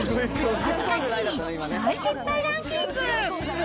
恥ずかしい大失敗ランキング。